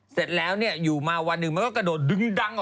เสร็จแล้วอยู่มาวันหนึ่งมันก็กระโดดดึงดังออก